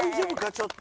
ちょっと。